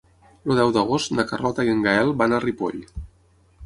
El deu d'agost na Carlota i en Gaël van a Ripoll.